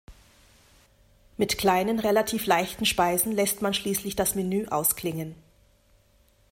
Mit kleinen, relativ leichten Speisen lässt man schließlich das Menü ausklingen.